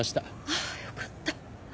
あよかった。